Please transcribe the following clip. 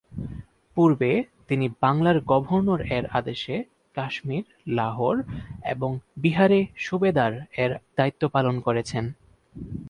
পূর্বে তিনি বাংলার গভর্নর এর আদেশে কাশ্মীর, লাহোর এবং বিহারে সুবেদার এর দায়িত্ব পালন করেছেন।